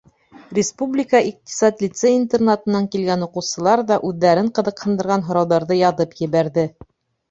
Республика иҡтисад лицей-интернатынан килгән уҡыусылар ҙа үҙҙәрен ҡыҙыҡһындырған һорауҙарҙы яҙып ебәрҙе.